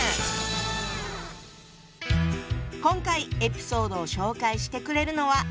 今回エピソードを紹介してくれるのは。